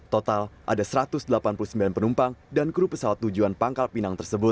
total ada satu ratus delapan puluh sembilan penumpang dan kru pesawat tujuan pangkal pinang tersebut